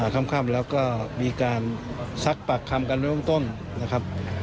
ค่ำแล้วก็มีการซักปากคำกันไว้เบื้องต้นนะครับ